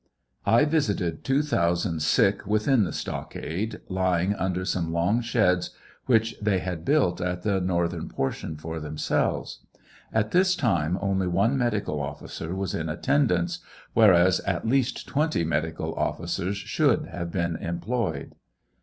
»» X visited 2,000 sick within the stockade, lying under some long sheds, which they had built at the northern por tion for themselves. At this time only one medical officer was in attendance, whereas at least twenty medical officers should have been employed.